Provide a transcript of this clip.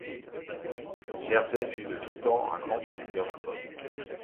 Jersey fut de tout temps un grand producteur de pommes.